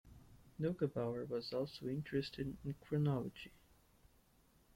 Neugebauer was also interested in chronology.